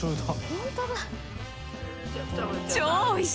本当だ。